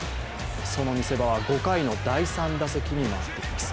その見せ場は５回の第３打席に回ってきます。